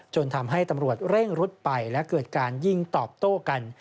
ทำให้ตำรวจเร่งรุดไปและเกิดการยิงตอบโต้กัน